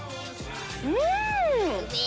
うん！